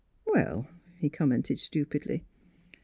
" Well," he commented stupidly.